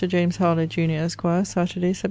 JAMES HARLOWE, JUN. ESQ. SATURDAY, SEPT.